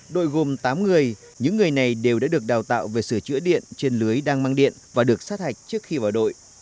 đội gồm tám người những người này đều đã được đào tạo về sửa chữa điện trên lưới đang mang điện và được sát hạch trước khi vào đội